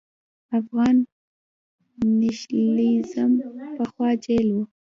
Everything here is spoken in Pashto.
افغان نېشنلېزم پخوا جهل و.